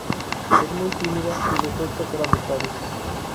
Es muy tímida y le cuesta hacer amistades.